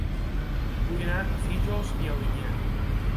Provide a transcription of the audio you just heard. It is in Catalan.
Vull anar a Fígols i Alinyà